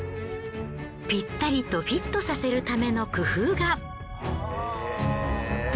ぴったりとフィットさせるための工夫が。